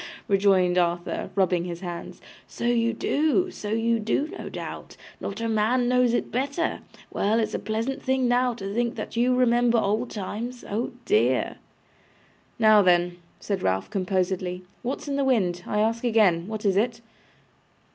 rejoined Arthur, rubbing his hands. 'So you do, so you do, no doubt. Not a man knows it better. Well, it's a pleasant thing now to think that you remember old times. Oh dear!' 'Now then,' said Ralph, composedly; 'what's in the wind, I ask again? What is it?